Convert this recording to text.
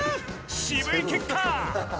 渋い結果。